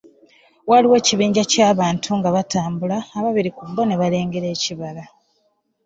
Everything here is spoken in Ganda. Waaliwo ekibinja kya bantu nga batambula, ababiri ku bo ne balengera ekibala.